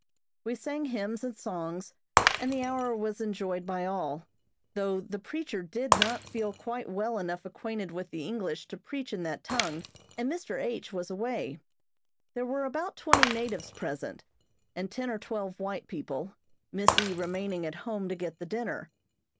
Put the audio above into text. We sang hymns and songs, and the hour was enjoyed by all, though the preacher did not feel quite well enough acquainted with the English to preach in that tongue, and Mr. H. was away. There were about twenty natives present, and ten or twelve white people, Miss E. remaining at home to get the dinner.